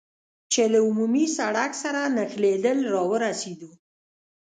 چې له عمومي سړک سره نښلېدل را ورسېدو.